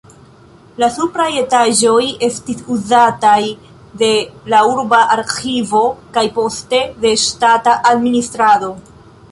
La supraj etaĝoj estis uzataj de la urba arĥivo kaj poste de ŝtata administrado.